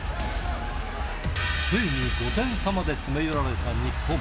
ついに５点差まで詰め寄られた日本。